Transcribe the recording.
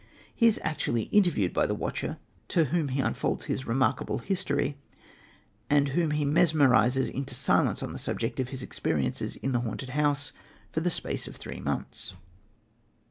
He is actually interviewed by the watcher, to whom he unfolds his remarkable history, and whom he mesmerises into silence on the subject of his experiences in the haunted house for a space of three months.